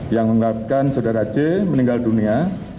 yang mengatakan saudara c meninggal dunia